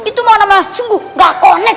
itu mau nama nama sungguh tidak connect